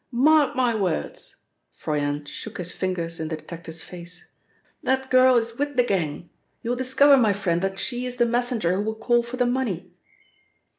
"Mark my words," Froyant shook his fingers in the detective's face, "that girl is with the gang. You will discover, my friend, that she is the messenger who will call for the money!"